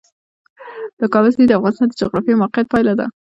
د کابل سیند د افغانستان د جغرافیایي موقیعت پایله ده.